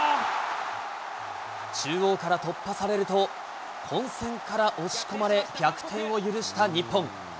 中央から突破されると、混戦から押し込まれ、逆転を許した日本。